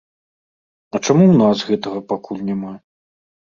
А чаму ў нас гэтага пакуль няма?